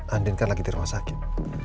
andin kan lagi di rumah sakit